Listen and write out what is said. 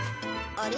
あれ？